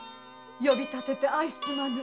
呼び立ててすまぬ。